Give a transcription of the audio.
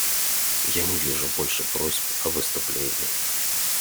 Я не вижу больше просьб о выступлении.